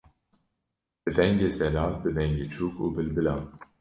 bi dengê zelal, bi dengê çûk û bilbilan